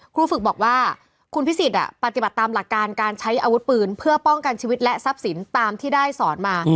ครูฝึกบอกว่าคุณพิสิทธิ์ปฏิบัติตามหลักการการใช้อาวุธปืนเพื่อป้องกันชีวิตและทรัพย์สินตามที่ได้สอนมา